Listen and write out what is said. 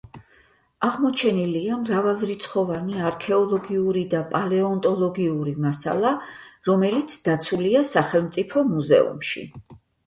აღმოჩენილია მრავალრიცხოვანი არქეოლოგიური და პალეონტოლოგიური მასალა, რომელიც დაცულია სახელმწიფო მუზეუმში.